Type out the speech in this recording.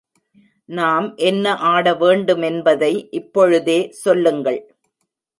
நாம் என்ன ஆட வேண்டுமென்பதை இப்பொழுதே சொல்லுங்கள்!